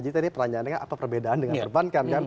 jadi tadi peranyaannya apa perbedaan dengan terban kan